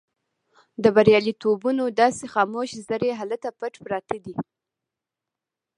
د برياليتوبونو داسې خاموش زړي هلته پټ پراته دي.